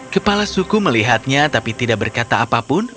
kepala suku melihatnya tapi tidak berkata apapun